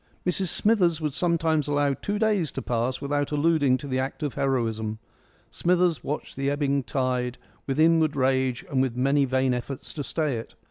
Mrs Smithers would sometimes allow two days to pass without alluding to the act of heroism. Smithers watched the ebbing of the tide with inward rage and with many vain efforts to stay it.